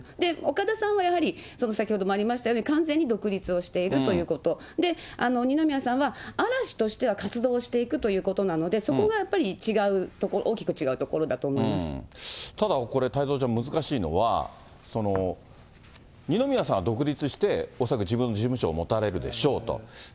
岡田さんはやはり、先ほどもありましたように、完全に独立をしているということで二宮さんは、嵐としては活動していくということなので、そこがやっぱり違うとこ、大きく違うとただ、これ、太蔵ちゃん、難しいのは、二宮さんは独立して、恐らく自分の事務所を持たれるでしょうと。